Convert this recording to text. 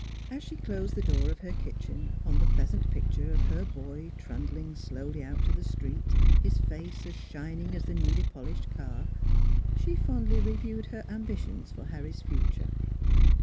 As she closed the door of her kitchen upon the pleas ant picture of her boy trundling slowly out to the street, his face as shining as the newly polished car, she fondly reviewed her ambitions for Harry's future.